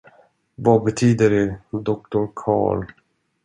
Vad betyder det, doktor Karl?